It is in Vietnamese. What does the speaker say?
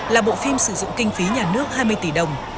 là bộ phim sử dụng kinh phí nhà nước hai mươi tỷ đồng